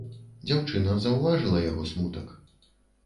Дзяўчына заўважыла яго смутак.